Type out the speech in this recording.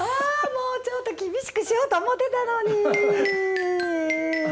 もう、ちょっと厳しくしようと思ってたのに。